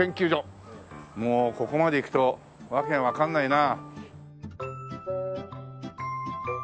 もうここまでいくとわけがわかんないな。